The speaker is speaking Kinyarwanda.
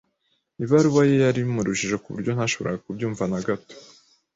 Ibaruwa ye yari mu rujijo ku buryo ntashoboraga kubyumva na gato.